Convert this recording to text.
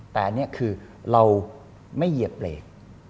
แต่อันนี้คือเราไม่เหยียบเบรก